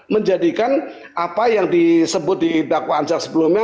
menjadikan apa yang disebut di dakwaan saat sebelumnya